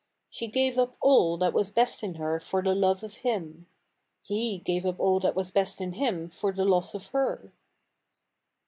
She gave up all that was best in her for the love of him. He gave up all that was best in him for the loss of her.'